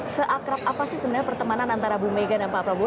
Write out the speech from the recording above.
seakrab apa sih sebenarnya pertemanan antara ibu megat dan pak prabowo